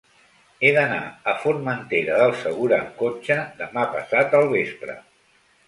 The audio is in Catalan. He d'anar a Formentera del Segura amb cotxe demà passat al vespre.